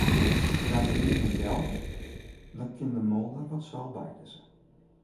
Jout de wyn him del, dan kin de moolder wat seil bylizze.